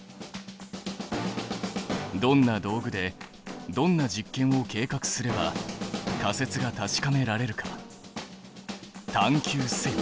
どんな道具でどんな実験を計画すれば仮説が確かめられるか探究せよ！